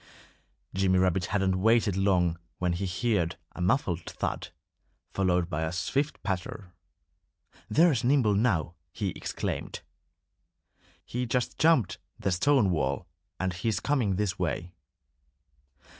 Jimmy Rabbit hadn't waited long when he heard a muffled thud, followed by a swift patter. "There's Nimble now!" he exclaimed. "He just jumped the stone wall and he's coming this way."